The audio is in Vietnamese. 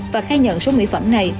và khai nhận số mỹ phẩm này